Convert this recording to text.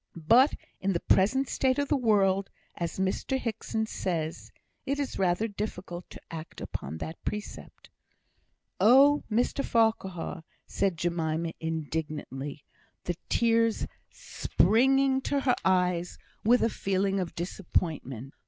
"But in the present state of the world, as Mr Hickson says, it is rather difficult to act upon that precept." "Oh, Mr Farquhar!" said Jemima, indignantly, the tears springing to her eyes with a feeling of disappointment.